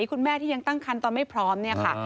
คุณแม่ที่ยังตั้งคันตอนไม่พร้อมเนี่ยค่ะ